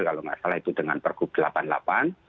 kalau nggak salah itu dengan pergub delapan puluh delapan